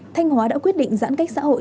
thanh hóa đã quyết định giãn cách xã hội